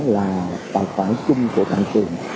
là tài khoản chung của tài khoản trường